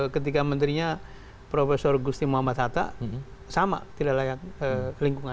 ketika menterinya prof gusti muhammad hatta sama tidak layak lingkungan